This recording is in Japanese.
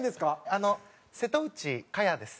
あの瀬戸内かやです。